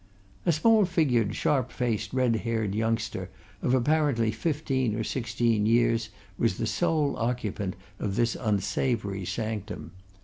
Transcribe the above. A small figured, sharp faced, red haired youngster of apparently fifteen or sixteen years was the sole occupant of this unsavoury sanctum.